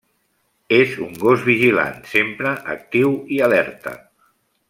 És un gos vigilant, sempre actiu i alerta.